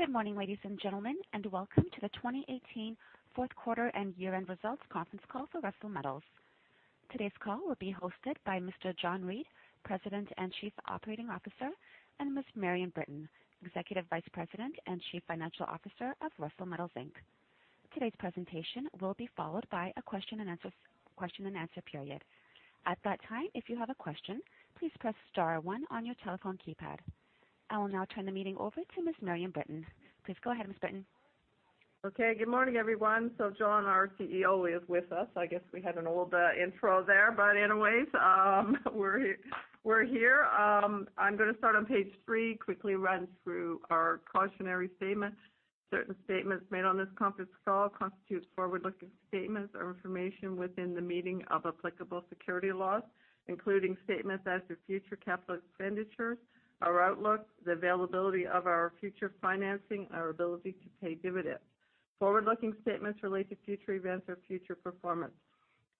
Good morning, ladies and gentlemen, welcome to the 2018 fourth quarter and year-end results conference call for Russel Metals. Today's call will be hosted by Mr. John G. Reid, President and Chief Operating Officer, and Ms. Marion E. Britton, Executive Vice President and Chief Financial Officer of Russel Metals Inc. Today's presentation will be followed by a question and answer period. At that time, if you have a question, please press star one on your telephone keypad. I will now turn the meeting over to Ms. Marion E. Britton. Please go ahead, Ms. Britton. Okay. Good morning, everyone. John, our CEO, is with us. I guess we had an old intro there, anyways, we're here. I'm going to start on page three, quickly run through our cautionary statement. Certain statements made on this conference call constitute forward-looking statements or information within the meaning of applicable security laws, including statements as to future capital expenditures, our outlook, the availability of our future financing, our ability to pay dividends. Forward-looking statements relate to future events or future performance.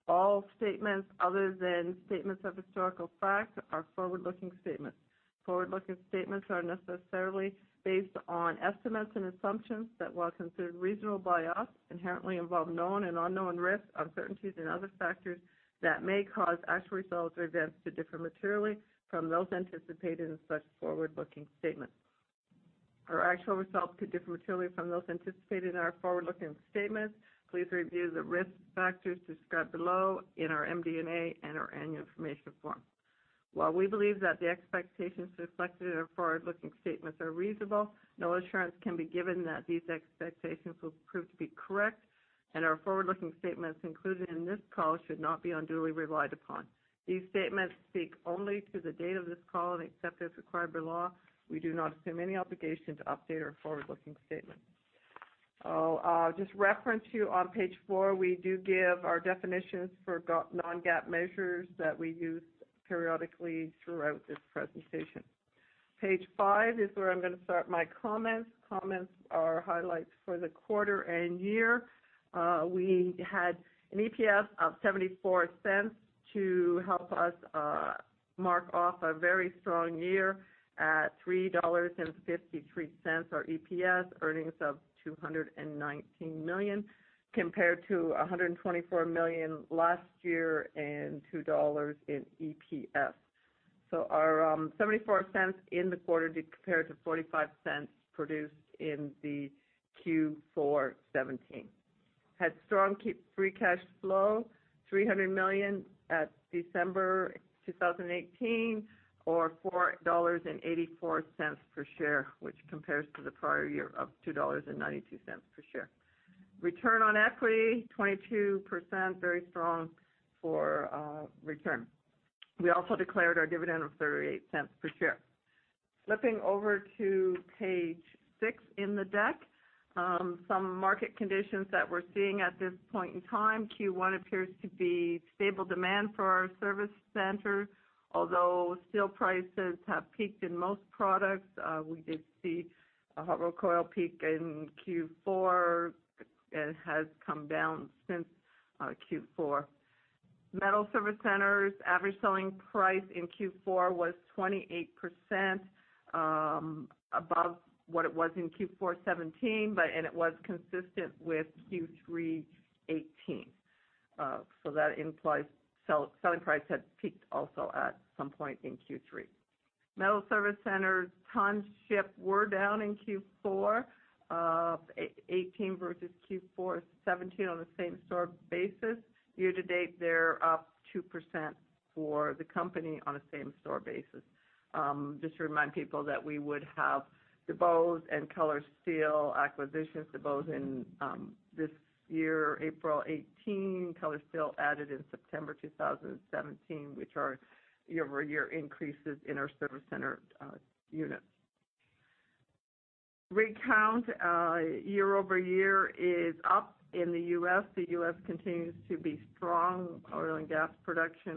All statements other than statements of historical fact are forward-looking statements. Forward-looking statements are necessarily based on estimates and assumptions that, while considered reasonable by us, inherently involve known and unknown risks, uncertainties, and other factors that may cause actual results or events to differ materially from those anticipated in such forward-looking statements. Our actual results could differ materially from those anticipated in our forward-looking statements. Please review the risk factors described below in our MD&A and our annual information form. While we believe that the expectations reflected in our forward-looking statements are reasonable, no assurance can be given that these expectations will prove to be correct, our forward-looking statements included in this call should not be unduly relied upon. These statements speak only to the date of this call, and except as required by law, we do not assume any obligation to update our forward-looking statements. I'll just reference you on page four, we do give our definitions for Non-GAAP measures that we use periodically throughout this presentation. Page five is where I'm going to start my comments. Comments are highlights for the quarter and year. We had an EPS of 0.74 to help us mark off a very strong year at 3.53 dollars our EPS, earnings of 219 million, compared to 124 million last year and 2 dollars in EPS. Our 0.74 in the quarter compared to 0.45 produced in the Q4 2017. Had strong free cash flow, 300 million at December 2018, or 4.84 dollars per share, which compares to the prior year of 2.92 dollars per share. Return on equity 22%, very strong for return. We also declared our dividend of 0.38 per share. Flipping over to page six in the deck. Some market conditions that we're seeing at this point in time. Q1 appears to be stable demand for our service centers, although steel prices have peaked in most products. We did see a hot-rolled coil peak in Q4, it has come down since Q4. Metal service centers average selling price in Q4 was 28% above what it was in Q4 2017, and it was consistent with Q3 2018. That implies selling price had peaked also at some point in Q3. Metal service centers tons shipped were down in Q4 2018 versus Q4 2017 on a same-store basis. Year to date, they are up 2% for the company on a same-store basis. Just to remind people that we would have DuBose and Color Steels acquisitions, DuBose in this year, April 2018, Color Steels added in September 2017, which are year-over-year increases in our service center units. Rig count year-over-year is up in the U.S. The U.S. continues to be strong oil and gas production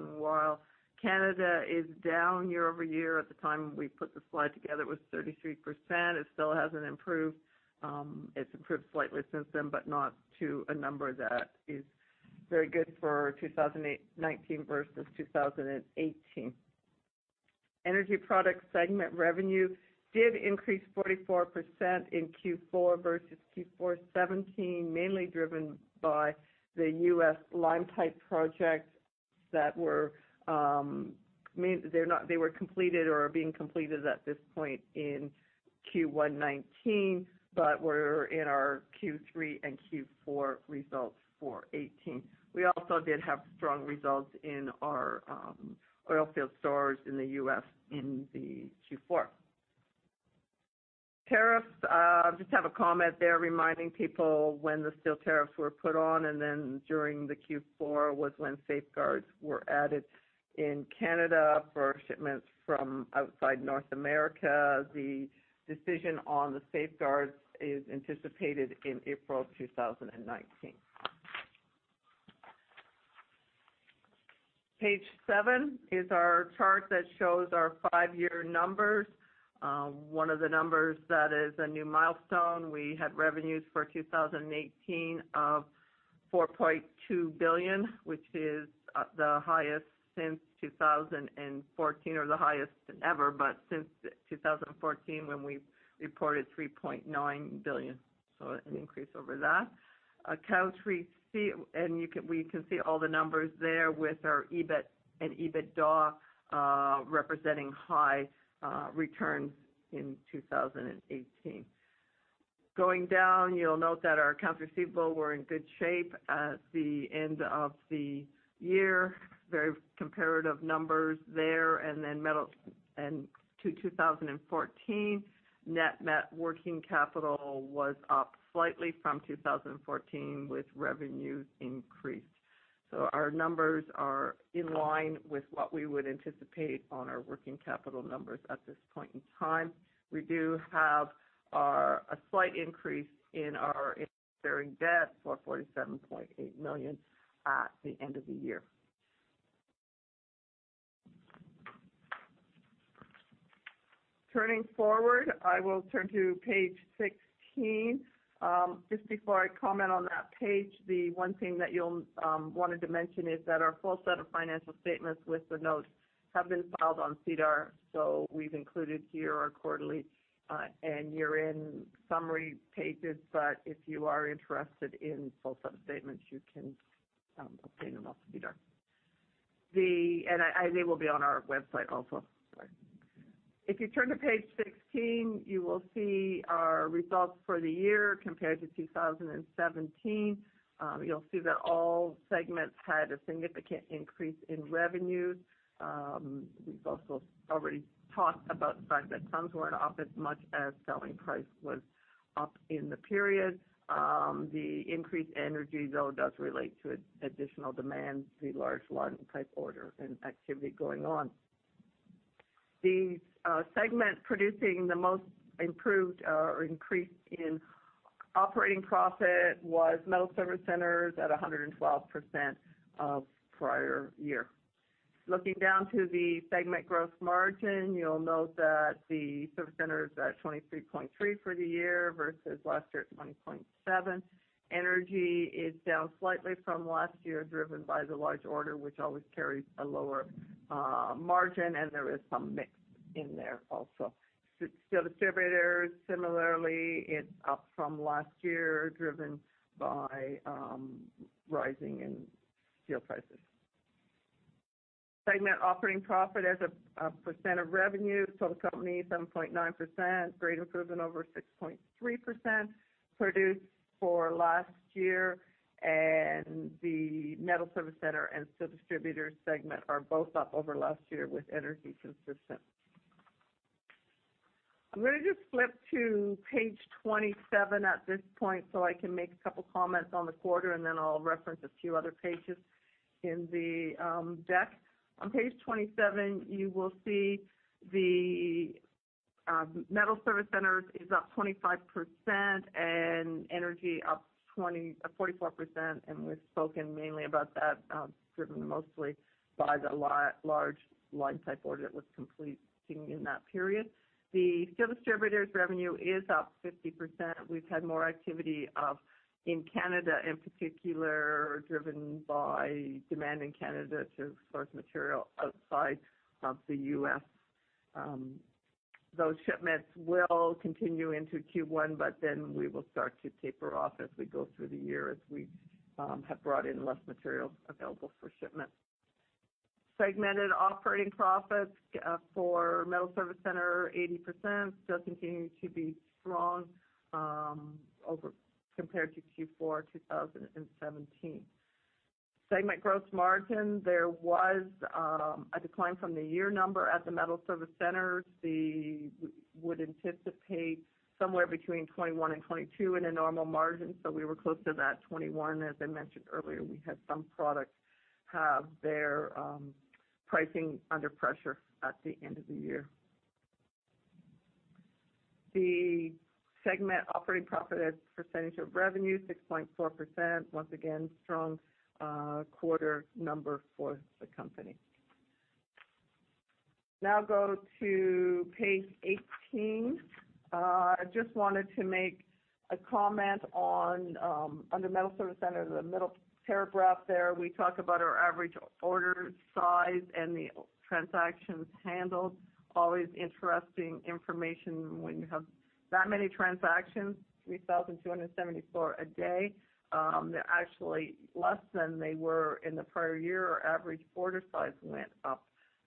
while Canada is down year-over-year. At the time we put the slide together, it was 33%. It still hasn't improved. It's improved slightly since then, but not to a number that is very good for 2019 versus 2018. Energy product segment revenue did increase 44% in Q4 versus Q4 2017, mainly driven by the U.S. line pipe projects that were completed or are being completed at this point in Q1 2019, but were in our Q3 and Q4 results for 2018. We also did have strong results in our oilfield stores in the U.S. in the Q4. Tariffs. Just have a comment there reminding people when the steel tariffs were put on, and then during the Q4 was when safeguards were added in Canada for shipments from outside North America. The decision on the safeguards is anticipated in April 2019. Page seven is our chart that shows our five-year numbers. One of the numbers that is a new milestone, we had revenues for 2018 of 4.2 billion, which is the highest since 2014 or the highest ever, since 2014 when we reported 3.9 billion, so an increase over that. We can see all the numbers there with our EBIT and EBITDA representing high returns in 2018. Going down, you'll note that our accounts receivable were in good shape at the end of the year. Very comparative numbers there. And to 2014, net working capital was up slightly from 2014 with revenues increased. So our numbers are in line with what we would anticipate on our working capital numbers at this point in time. We do have a slight increase in our interest-bearing debt, 447.8 million at the end of the year. Turning forward, I will turn to page 16. Just before I comment on that page, the one thing that I wanted to mention is that our full set of financial statements with the notes have been filed on SEDAR, so we've included here our quarterly and year-end summary pages, but if you are interested in full set of statements, you can obtain them off of SEDAR. And they will be on our website also. If you turn to page 16, you will see our results for the year compared to 2017. You'll see that all segments had a significant increase in revenues. We've also already talked about the fact that tons weren't up as much as selling price was up in the period. The increased energy, though, does relate to additional demand, the large line pipe order and activity going on. The segment producing the most improved or increase in operating profit was metal service centers at 112% of prior year. Looking down to the segment gross margin, you will note that the service center is at 23.3% for the year versus last year at 20.7%. Energy is down slightly from last year, driven by the large order, which always carries a lower margin, and there is some mix in there also. Steel distributors, similarly, it is up from last year, driven by rising in steel prices. The company 7.9%, great improvement over 6.3% produced for last year, and the metal service center and steel distributors segment are both up over last year with energy consistent. I am going to just flip to page 27 at this point so I can make a couple comments on the quarter, and then I will reference a few other pages in the deck. On page 27, you will see the metal service centers is up 25% and energy up 44%, and we have spoken mainly about that, driven mostly by the large line pipe order that was completing in that period. The steel distributors revenue is up 50%. We have had more activity up in Canada, in particular, driven by demand in Canada to source material outside of the U.S. Those shipments will continue into Q1, we will start to taper off as we go through the year as we have brought in less material available for shipment. Segmented operating profits for metal service center, 80%, still continuing to be strong compared to Q4 2017. Segment gross margin, there was a decline from the year number at the metal service center. We would anticipate somewhere between 21% and 22% in a normal margin, so we were close to that 21%. As I mentioned earlier, we had some products have their pricing under pressure at the end of the year. The segment operating profit as percentage of revenue, 6.4%. Once again, strong quarter number for the company. Go to page 18. I just wanted to make a comment on under metal service center, the middle paragraph there. We talk about our average order size and the transactions handled. Always interesting information when you have that many transactions, 3,274 a day. They are actually less than they were in the prior year. Our average order size went up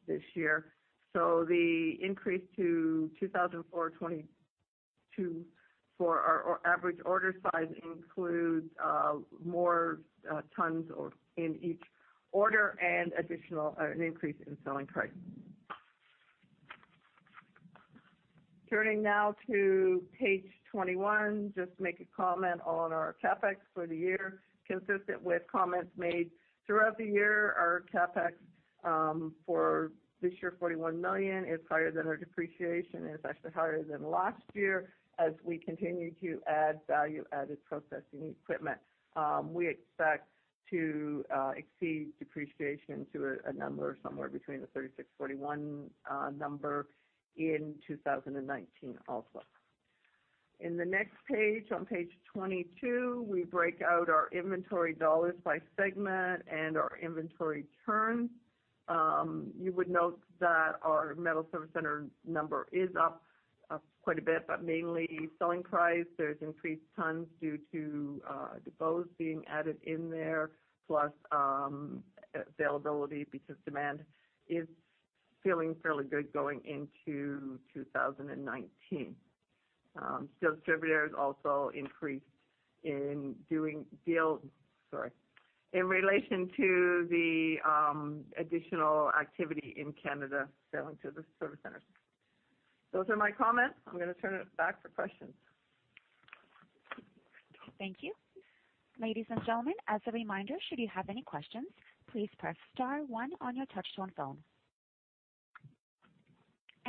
this year. The increase to 2,422 for our average order size includes more tons in each order and an increase in selling price. Turning now to page 21, just make a comment on our CapEx for the year. Consistent with comments made throughout the year, our CapEx for this year, 41 million, is higher than our depreciation, is actually higher than last year as we continue to add value-added processing equipment. We expect to exceed depreciation to a number somewhere between the 36-41 number in 2019 also. The next page, on page 22, we break out our inventory dollars by segment and our inventory turns. You would note that our metal service center number is up quite a bit, but mainly selling price. There is increased tons due to DuBose being added in there, plus availability because demand is feeling fairly good going into 2019. Steel distributors also increased in relation to the additional activity in Canada selling to the service centers. Those are my comments. I'm going to turn it back for questions. Thank you. Ladies and gentlemen, as a reminder, should you have any questions, please press *1 on your touch-tone phone.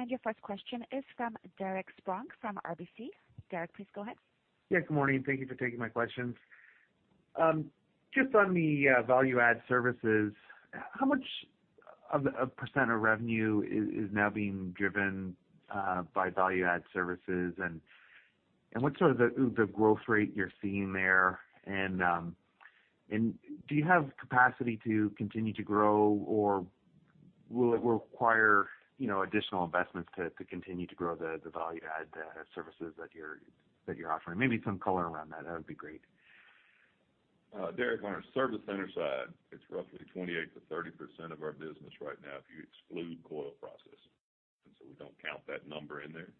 Your first question is from Derek Spronck from RBC. Derek, please go ahead. Yes, good morning. Thank you for taking my questions. Just on the value-add services, how much of a percent of revenue is now being driven by value-add services, and what sort of the growth rate you're seeing there, and do you have capacity to continue to grow, or will it require additional investments to continue to grow the value-add services that you're offering? Maybe some color around that. That would be great. Derek, on our service center side, it's roughly 28%-30% of our business right now, if you exclude coil processing. We don't count that number in there.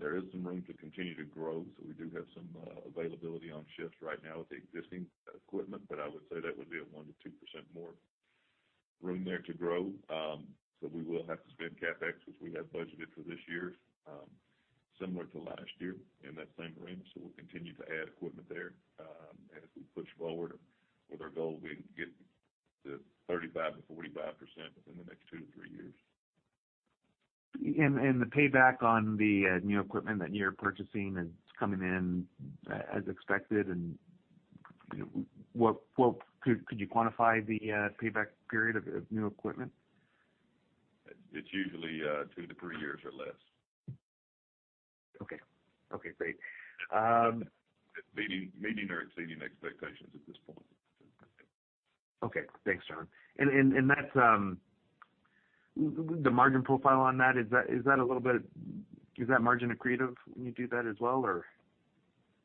There is some room to continue to grow. We do have some availability on shifts right now with the existing equipment. But I would say that would be a 1%-2% more room there to grow. We will have to spend CapEx, which we have budgeted for this year, similar to last year, in that same range. We'll continue to add equipment there. As we push forward with our goal, we can get to 35%-45% within the next 2-3 years. The payback on the new equipment that you're purchasing is coming in as expected? Could you quantify the payback period of new equipment? It's usually two to three years or less. Okay. Great. Meeting or exceeding expectations at this point. Okay. Thanks, John. The margin profile on that, is that margin accretive when you do that as well, or?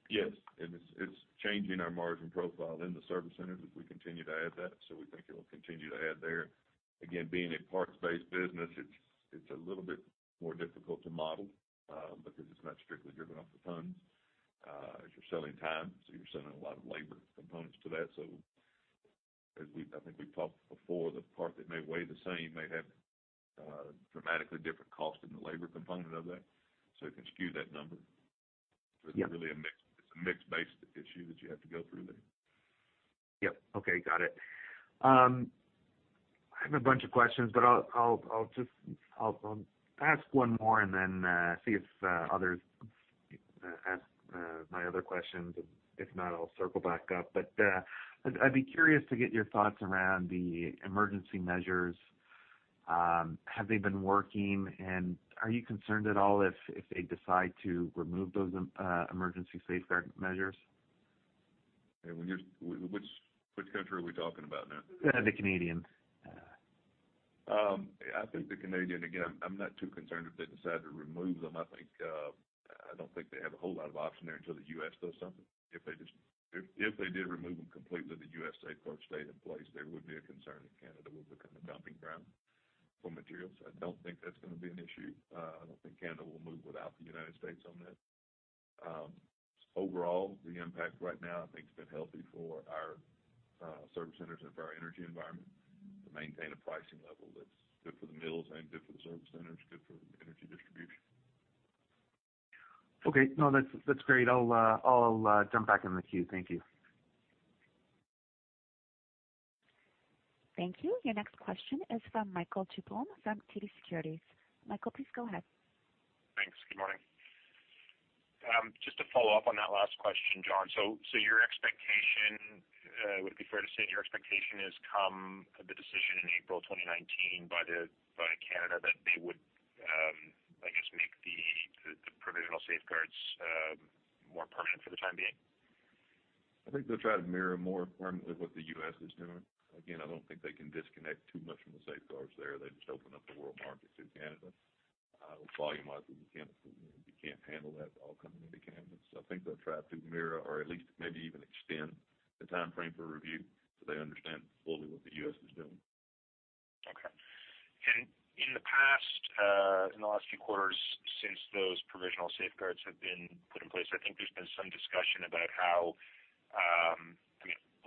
Yes. It's changing our margin profile in the service centers as we continue to add that, so we think it will continue to add there. Again, being a parts-based business, it's a little bit more difficult to model because it's not strictly driven off the tons, as you're selling time, so you're selling a lot of labor components to that. I think we've talked before, the part that may weigh the same may have a dramatically different cost in the labor component of that. It can skew that number. Yep. It's really a mixed basic issue that you have to go through there. Yep. Okay, got it. I have a bunch of questions, but I'll ask one more and then see if others ask my other questions. If not, I'll circle back up. I'd be curious to get your thoughts around the emergency measures. Have they been working, and are you concerned at all if they decide to remove those emergency safeguard measures? Which country are we talking about now? The Canadians. I think the Canadian, again, I'm not too concerned if they decide to remove them. I don't think they have a whole lot of option there until the U.S. does something. If they did remove them completely, the U.S. safeguards stay in place, there would be a concern that Canada will become a dumping ground for materials. I don't think that's going to be an issue. I don't think Canada will move without the United States on that. Overall, the impact right now, I think, has been healthy for our service centers and for our energy environment to maintain a pricing level that's good for the mills and good for the service centers, good for energy distribution. Okay. No, that's great. I'll jump back in the queue. Thank you. Thank you. Your next question is from Michael Tupholme from TD Securities. Michael, please go ahead. Thanks. Good morning. Just to follow up on that last question, John. Would it be fair to say your expectation is come the decision in April 2019 by Canada that they would, I guess, make the provisional safeguards more permanent for the time being? I think they'll try to mirror more permanently what the U.S. is doing. Again, I don't think they can disconnect too much from the safeguards there. They just open up the world market to Canada. Volume out of Canada, you can't handle that all coming into Canada. I think they'll try to mirror or at least maybe even extend the timeframe for review, because they understand fully what the U.S. is doing. Okay. In the past, in the last few quarters since those provisional safeguards have been put in place, I think there's been some discussion about how,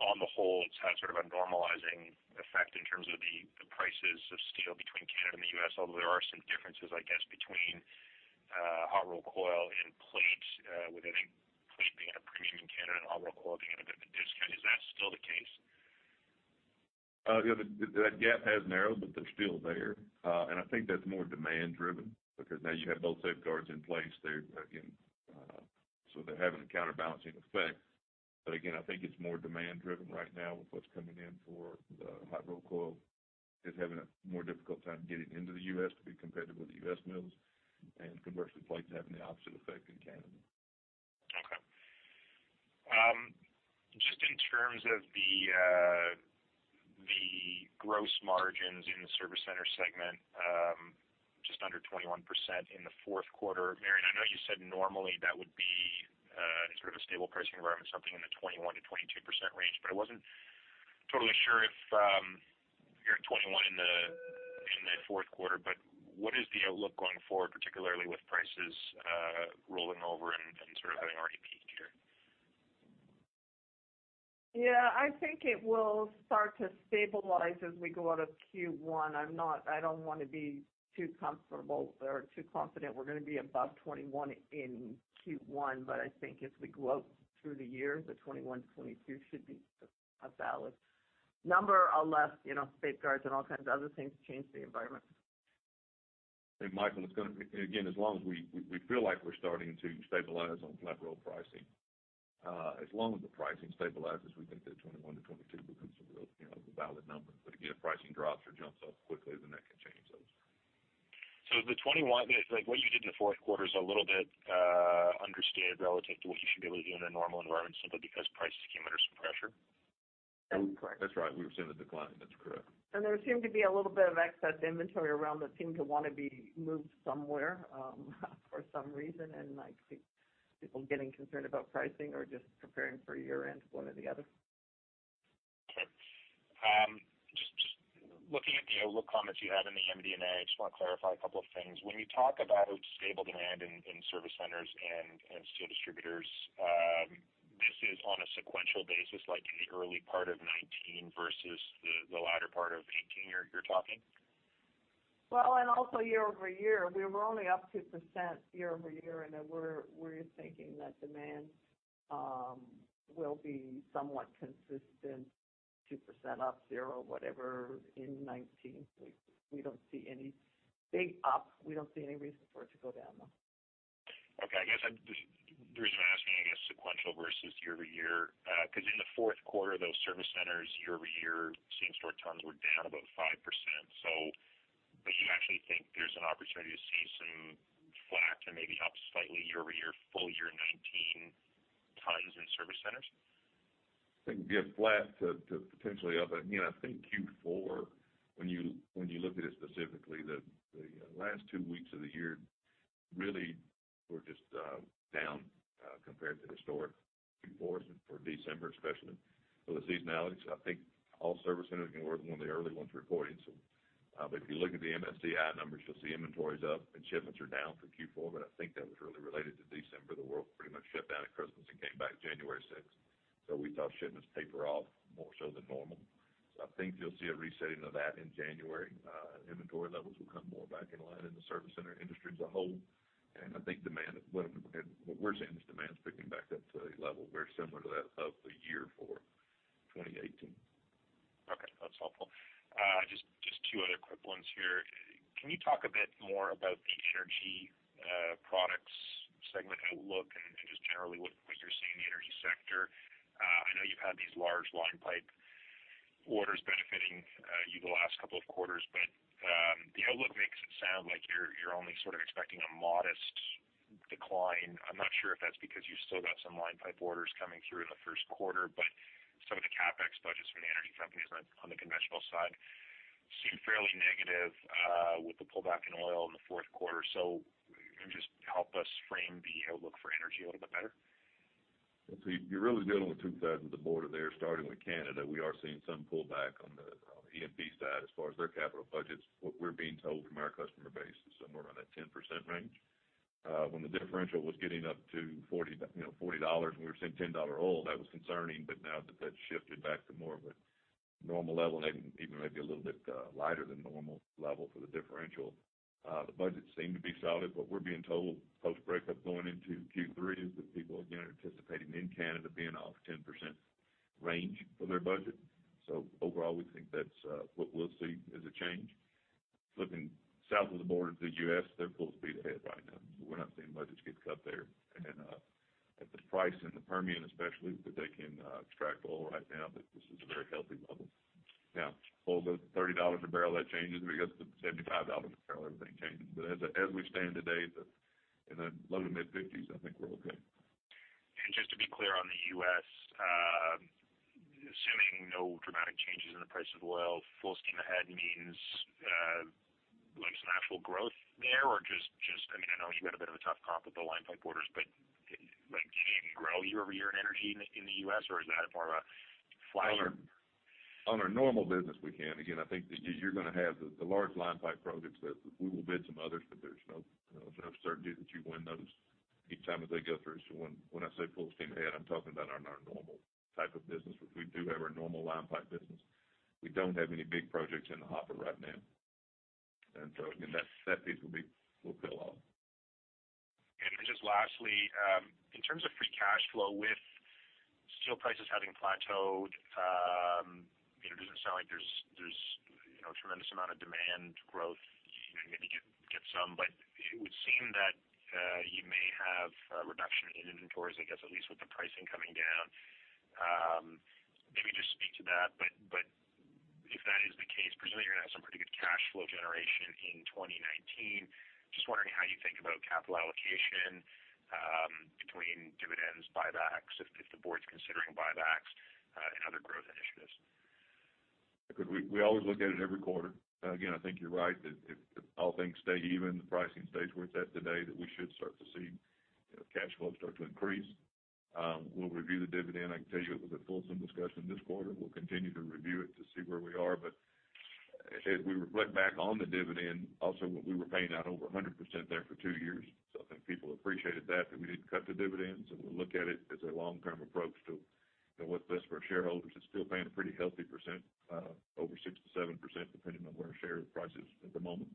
on the whole, it's had sort of a normalizing effect in terms of the prices of steel between Canada and the U.S., although there are some differences, I guess, between hot-rolled coil and plate with, I think, plate being a premium in Canada and hot-rolled coil being at a bit of a discount. Is that still the case? That gap has narrowed, but they're still there. I think that's more demand driven because now you have both safeguards in place there. Again, they're having a counterbalancing effect. Again, I think it's more demand-driven right now with what's coming in for the hot-rolled coil. It's having a more difficult time getting into the U.S. to be competitive with the U.S. mills, and commercial plates having the opposite effect in Canada. Okay. Just in terms of the gross margins in the service center segment, just under 21% in the fourth quarter. Marion, I know you said normally that would be sort of a stable pricing environment, something in the 21%-22% range, I wasn't totally sure if you're at 21% in the fourth quarter. What is the outlook going forward, particularly with prices rolling over and sort of having already peaked here? Yeah, I think it will start to stabilize as we go out of Q1. I don't want to be too comfortable or too confident we're going to be above 21% in Q1, but I think as we go out through the year, the 21%-22% should be a valid number, unless safeguards and all kinds of other things change the environment. Michael, again, as long as we feel like we're starting to stabilize on flat roll pricing. As long as the pricing stabilizes, we think the 21%-22% becomes a real valid number. Again, if pricing drops or jumps up quickly, then that can change those. The 2021, what you did in the fourth quarter is a little bit understated relative to what you should be able to do in a normal environment simply because prices came under some pressure? That's correct. That's right. We were seeing the decline. That's correct. There seemed to be a little bit of excess inventory around that seemed to want to be moved somewhere for some reason, and I see people getting concerned about pricing or just preparing for year-end, one or the other. Okay. Just looking at the outlook comments you had in the MD&A, I just want to clarify a couple of things. When you talk about stable demand in service centers and steel distributors, this is on a sequential basis, like in the early part of 2019 versus the latter part of 2018, you're talking? Also year-over-year. We were only up 2% year-over-year. Then we're thinking that demand will be somewhat consistent, 2% up, zero, whatever in 2019. We don't see any big up. We don't see any reason for it to go down, though. Okay. The reason I'm asking, sequential versus year-over-year, because in the fourth quarter, those service centers year-over-year same-stored tons were down about 5%. You actually think there's an opportunity to see some flat to maybe up slightly year-over-year full year 2019 tons in service centers? I think flat to potentially up. Again, I think Q4, when you look at it specifically, the last two weeks of the year really were just down compared to historic performance for December, especially for the seasonality. I think all service centers, and we're one of the early ones reporting. If you look at the MSCI numbers, you'll see inventory's up and shipments are down for Q4. I think that was really related to December. The world pretty much shut down at Christmas and came back January 6th. We saw shipments taper off more so than normal. I think you'll see a resetting of that in January. Inventory levels will come more back in line in the service center industry as a whole. I think demand, what we're seeing is demand is picking back up to a level very similar to that of the year for 2018. Okay. That's helpful. Just two other quick ones here. Can you talk a bit more about the energy products segment outlook and just generally what you're seeing in the energy sector? I know you've had these large line pipe orders benefiting you the last couple of quarters, but the outlook makes it sound like you're only sort of expecting a modest decline. I'm not sure if that's because you still got some line pipe orders coming through in the first quarter, but some of the CapEx budgets from the energy companies on the conventional side seem fairly negative with the pullback in oil in the fourth quarter. Can you just help us frame the outlook for energy a little bit better? You're really dealing with two sides of the border there. Starting with Canada, we are seeing some pullback on the E&P side as far as their capital budgets. What we're being told from our customer base is somewhere around that 10% range. When the differential was getting up to 40 dollars and we were seeing 10 dollar oil, that was concerning. Now that that's shifted back to more of a normal level and even maybe a little bit lighter than normal level for the differential, the budgets seem to be solid. What we're being told post-breakup going into Q3 is that people, again, are anticipating in Canada being off 10% range for their budget. Overall, we think that's what we'll see as a change. Flipping south of the border to the U.S., they're full speed ahead right now. We're not seeing budgets get cut there. At the price in the Permian especially that they can extract oil right now, this is a very healthy level. Now, pull the 30 dollars a barrel, that changes. We get up to 75 dollars a barrel, everything changes. As we stand today in the low to mid-50s, I think we're okay. Just to be clear on the U.S., assuming no dramatic changes in the price of oil, full steam ahead means some actual growth there? I know you've had a bit of a tough comp with the line pipe orders, but can you grow year-over-year in energy in the U.S., or is that more of a flatter? On our normal business, we can. I think that you're going to have the large line pipe projects that we will bid some others, but there's no certainty that you win those each time as they go through. When I say full steam ahead, I'm talking about on our normal type of business. We do have our normal line pipe business. We don't have any big projects in the hopper right now. Again, that piece will peel off. Just lastly, in terms of free cash flow with steel prices having plateaued, it doesn't sound like there's no demand growth, maybe get some, but it would seem that you may have a reduction in inventories, I guess, at least with the pricing coming down. Maybe just speak to that, but if that is the case, presumably you're going to have some pretty good cash flow generation in 2019. Just wondering how you think about capital allocation between dividends, buybacks, if the board's considering buybacks and other growth initiatives. Good. We always look at it every quarter. I think you're right that if all things stay even, the pricing stays where it's at today, that we should start to see cash flow start to increase. We'll review the dividend. I can tell you it was a fulsome discussion this quarter. We'll continue to review it to see where we are. As we reflect back on the dividend, also, we were paying out over 100% there for two years, I think people appreciated that we didn't cut the dividends, and we'll look at it as a long-term approach to what's best for our shareholders. It's still paying a pretty healthy percent over 67%, depending on where our share price is at the moment.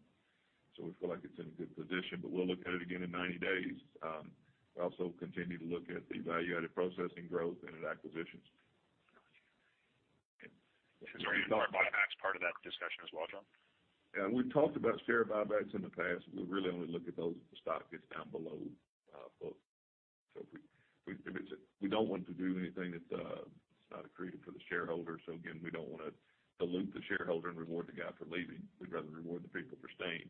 We feel like it's in a good position, but we'll look at it again in 90 days. We also continue to look at the value-added processing growth and at acquisitions. Is the reason for buybacks part of that discussion as well, John? Yeah. We've talked about share buybacks in the past. We really only look at those if the stock gets down below book. We don't want to do anything that's not accretive for the shareholder. Again, we don't want to dilute the shareholder and reward the guy for leaving. We'd rather reward the people for staying.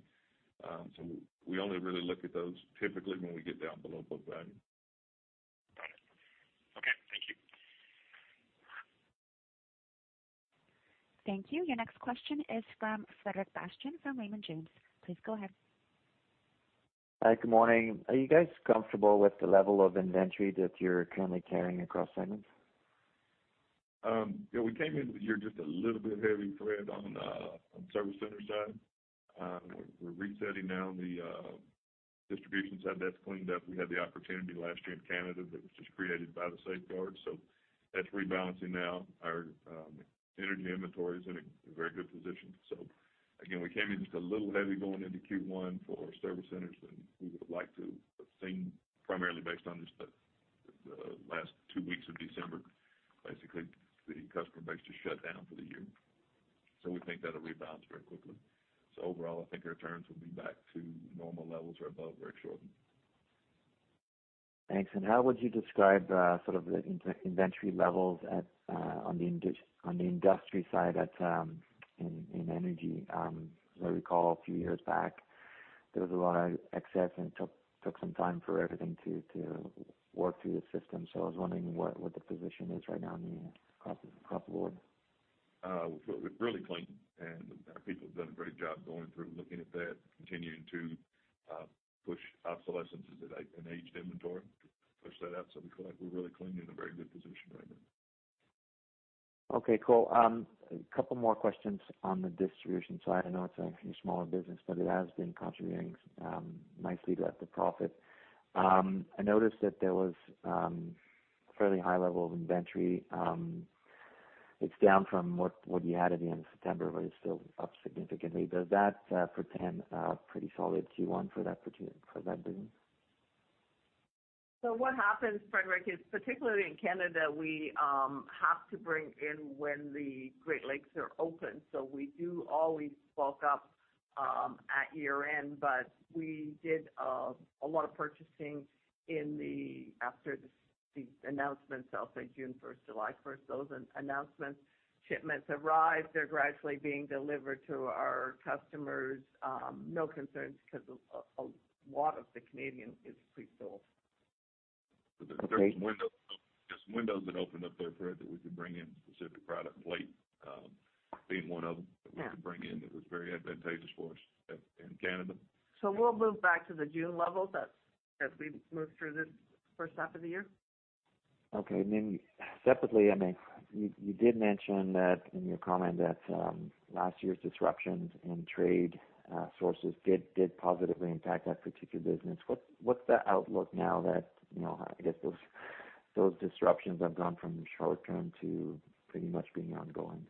We only really look at those typically when we get down below book value. Got it. Okay. Thank you. Thank you. Your next question is from Frederic Bastien from Raymond James. Please go ahead. Hi. Good morning. Are you guys comfortable with the level of inventory that you're currently carrying across segments? Yeah, we came into the year just a little bit heavy thread on the service center side. We're resetting now the distribution side. That's cleaned up. We had the opportunity last year in Canada that was just created by the safeguard, that's rebalancing now. Our energy inventory is in a very good position. Again, we came in just a little heavy going into Q1 for our service centers than we would've liked to have seen, primarily based on just the last two weeks of December. Basically, the customer base just shut down for the year. We think that'll rebalance very quickly. Overall, I think our returns will be back to normal levels or above very shortly. Thanks. How would you describe the inventory levels on the industry side in energy? As I recall, a few years back, there was a lot of excess, and it took some time for everything to work through the system. I was wondering what the position is right now across the board. Our people have done a great job going through, looking at that, continuing to push obsolescences in aged inventory. Push that out. We feel like we're really clean, in a very good position right now. Okay, cool. A couple more questions on the distribution side. I know it's a smaller business, but it has been contributing nicely to profit. I noticed that there was fairly high level of inventory. It's down from what you had at the end of September, but it's still up significantly. Does that portend a pretty solid Q1 for that business? What happens, Frederic, is particularly in Canada, we have to bring in when the Great Lakes are open. We do always bulk up at year-end, but we did a lot of purchasing after the announcements, I'll say June 1st, July 1st. Those announcements, shipments arrive. They're gradually being delivered to our customers. No concerns because a lot of the Canadian is pre-sold. Okay. There's windows that opened up there, Fred, that we could bring in specific product. Plate being one of them. Yeah. that we could bring in that was very advantageous for us in Canada. We'll move back to the June levels as we move through this first half of the year. Okay. Separately, you did mention that in your comment that last year's disruptions in trade sources did positively impact that particular business. What's the outlook now that, I guess, those disruptions have gone from short-term to pretty much being ongoing?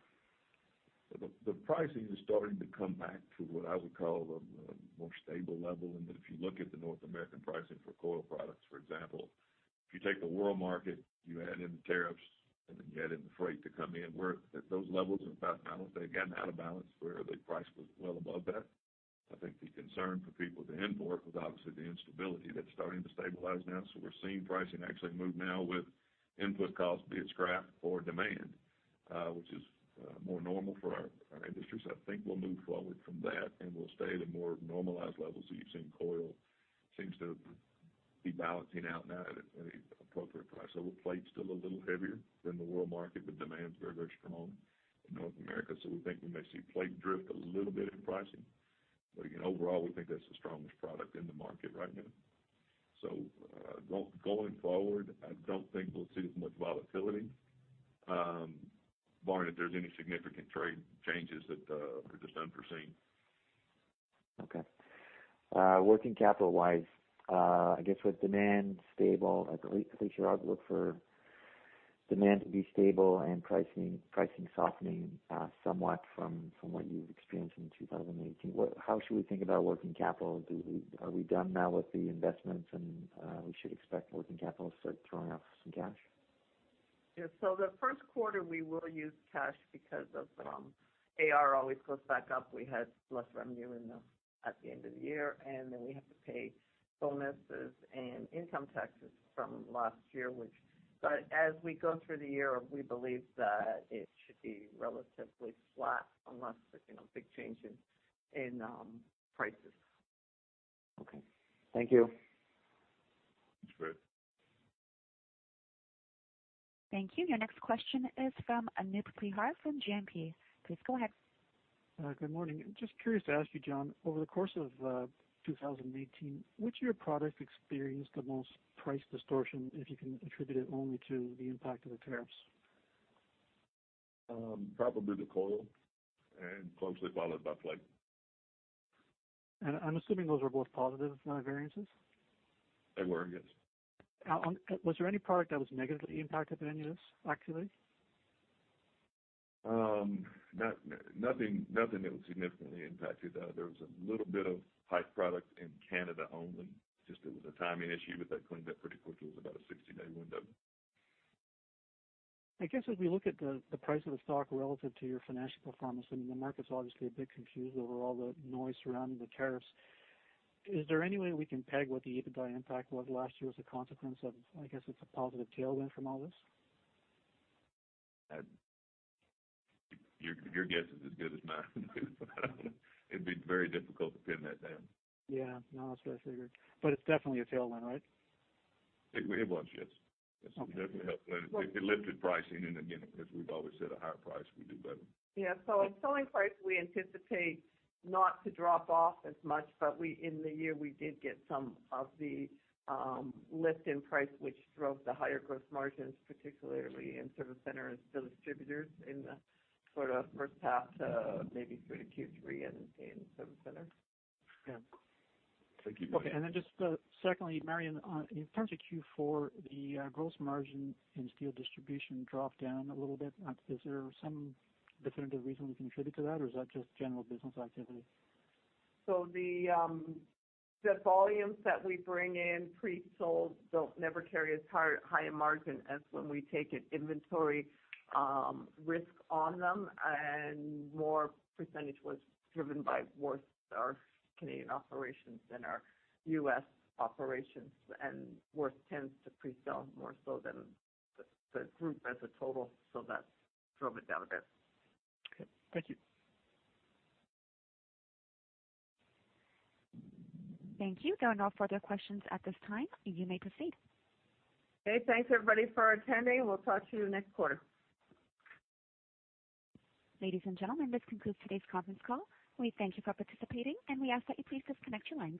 The pricing is starting to come back to what I would call a more stable level in that if you look at the North American pricing for coil products, for example, if you take the world market, you add in the tariffs, you add in the freight to come in, we're at those levels and about balance. They had gotten out of balance where the price was well above that. I think the concern for people to import was obviously the instability. That's starting to stabilize now, we're seeing pricing actually move now with input costs, be it scrap or demand, which is more normal for our industry. I think we'll move forward from that, and we'll stay at more normalized levels that you've seen. Coil seems to be balancing out now at an appropriate price. plate's still a little heavier than the world market, demand's very, very strong in North America. We think we may see plate drift a little bit in pricing. Again, overall, we think that's the strongest product in the market right now. Going forward, I don't think we'll see as much volatility, barring if there's any significant trade changes that are just unforeseen. Okay. Working capital-wise, I guess with demand stable, at least your outlook for demand to be stable and pricing softening somewhat from what you've experienced in 2018, how should we think about working capital? Are we done now with the investments, and we should expect working capital to start throwing off some cash? Yeah. The first quarter, we will use cash because AR always goes back up. We had less revenue at the end of the year, we have to pay bonuses and income taxes from last year. As we go through the year, we believe that it should be relatively flat unless there's big changes in prices. Okay. Thank you. Thanks, Fred. Thank you. Your next question is from Anoop Prihar from GMP. Please go ahead. Good morning. Just curious to ask you, John, over the course of 2018, which of your products experienced the most price distortion, if you can attribute it only to the impact of the tariffs? Probably the coil, and closely followed by plate. I'm assuming those were both positive variances? They were, yes. Was there any product that was negatively impacted by any of this, actually? Nothing that was significantly impacted. There was a little bit of pipe product in Canada only. Just it was a timing issue, but that cleaned up pretty quickly. It was about a 60-day window. I guess, as we look at the price of the stock relative to your financial performance, and the market's obviously a bit confused over all the noise surrounding the tariffs, is there any way we can peg what the EBITDA impact was last year as a consequence of, I guess, it's a positive tailwind from all this? Your guess is as good as mine. It'd be very difficult to pin that down. Yeah. No, that's what I figured. It's definitely a tailwind, right? It was, yes. It definitely helped. It lifted pricing. Again, as we've always said, a higher price, we do better. Yeah. In selling price, we anticipate not to drop off as much, but in the year, we did get some of the lift in price, which drove the higher gross margins, particularly in service centers, the distributors in the sort of first half to maybe through to Q3 and in service centers. Yeah. Thank you. Okay. Just secondly, Marion, in terms of Q4, the gross margin in steel distribution dropped down a little bit. Is there some definitive reason we can attribute to that, or is that just general business activity? The volumes that we bring in pre-sold never carry as high a margin as when we take an inventory risk on them. More percentage was driven by Wirth, our Canadian operations than our U.S. operations, and Wirth tends to pre-sell more so than the group as a total. That drove it down a bit. Okay. Thank you. Thank you. There are no further questions at this time. You may proceed. Okay, thanks, everybody, for attending, and we'll talk to you next quarter. Ladies and gentlemen, this concludes today's conference call. We thank you for participating, and we ask that you please disconnect your lines.